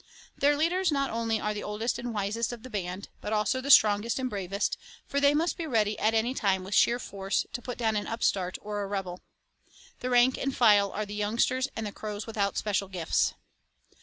Their leaders not only are the oldest and wisest of the band, but also the strongest and bravest, for they must be ready at any time with sheer force to put down an upstart or a rebel. The rank and file are the youngsters and the crows without special gifts.